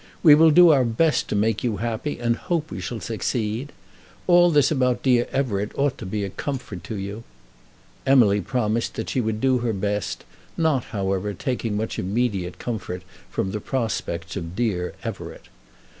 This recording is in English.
We will do our best to make you happy, and hope we shall succeed. All this about dear Everett ought to be a comfort to you." Emily promised that she would do her best, not, however, taking much immediate comfort from the prospects of dear Everett.